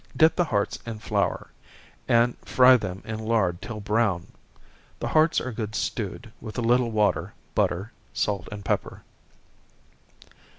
Dip the hearts in flour, and fry them in lard till brown. The hearts are good stewed, with a little water, butter, salt, and pepper.